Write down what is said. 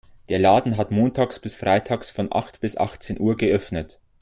Der Laden hat montags bis freitags von acht bis achtzehn Uhr geöffnet.